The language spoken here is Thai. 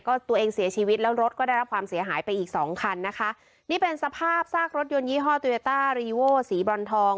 ก็ตัวเองเสียชีวิตแล้วรถก็ได้รับความเสียหายไปอีกสองคันนะคะนี่เป็นสภาพซากรถยนต์ยี่ห้อโตยาต้ารีโวสีบรอนทอง